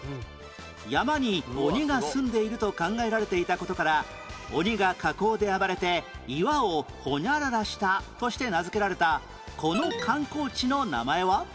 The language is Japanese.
山に鬼がすんでいると考えられていた事から「鬼が火口で暴れて岩をホニャララした」として名付けられたこの観光地の名前は？